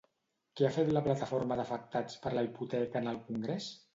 Què ha fet la Plataforma d'Afectats per la Hipoteca en el congrés?